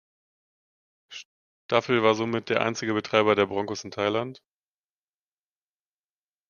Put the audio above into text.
Staffel war somit der einzige Betreiber der Broncos in Thailand.